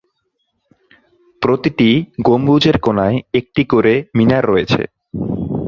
প্রতিটি গম্বুজের কোণায় একটি করে মিনার রয়েছে।